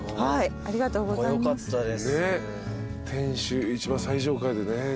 ありがとうございます。